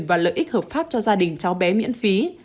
và lợi ích hợp pháp cho gia đình cháu bé miễn phí